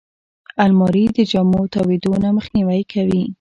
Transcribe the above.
الماري د جامو تاویدو نه مخنیوی کوي